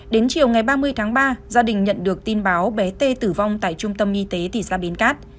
đến chiều ngày ba mươi tháng ba gia đình nhận được tin báo bé tê tử vong tại trung tâm y tế thị xã bến cát